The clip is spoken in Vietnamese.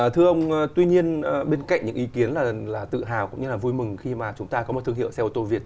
thưa ông tuy nhiên bên cạnh những ý kiến là tự hào cũng như là vui mừng khi mà chúng ta có một thương hiệu xe ô tô việt